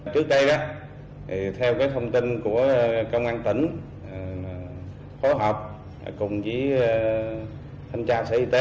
trước đây theo thông tin của công an tỉnh khóa học cùng với thanh tra sở y tế